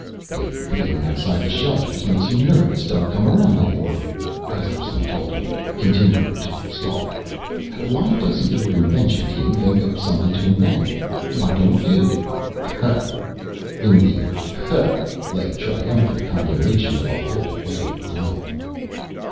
"If being outside the shelters makes you nervous, don't come around any more," Gusterson told him, continuing to stalk. "Why doesn't your invention team think of something to invent? Why don't you? Hah!" In the "Hah!" lay triumphant condemnation of a whole way of life.